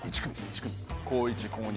高１高２